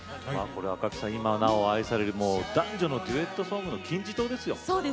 これは今なお愛される男女のデュエットソングの金字塔ですよ。